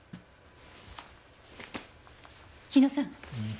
日野さん